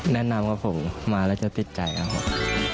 แนะนำครับผมมาแล้วจะติดใจครับผม